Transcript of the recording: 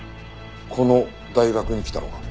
この大学に来たのか？